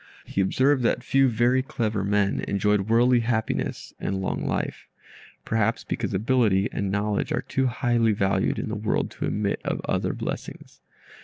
He observed that 'few very clever men enjoyed worldly happiness and long life'; perhaps because ability and knowledge are too highly valued in the world to admit of other blessings.